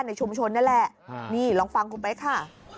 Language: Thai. นี่ลองฟังครูเป๊กค่ะ